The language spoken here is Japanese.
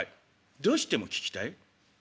「どうしても聞きたい」。